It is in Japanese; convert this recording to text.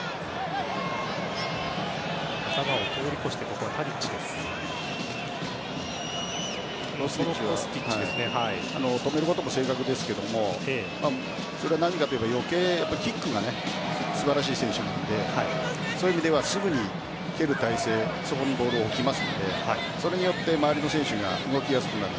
コスティッチは止めることも正確ですけどもキックが素晴らしい選手なのでそういう意味ではすぐに蹴る体勢そこにボールを置きますのでそれによって周りの選手が動きやすくなる。